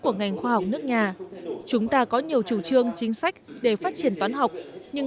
của ngành khoa học nước nhà chúng ta có nhiều chủ trương chính sách để phát triển toán học nhưng